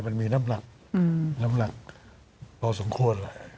มันมีน้ำหนักต่อสมควร